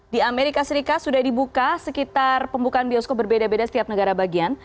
di amerika serikat sudah dibuka sekitar pembukaan bioskop berbeda beda setiap negara bagian